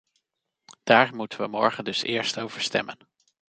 Daar moeten we morgen dus eerst over stemmen.